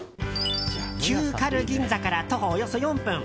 旧軽井沢銀座から徒歩およそ４分。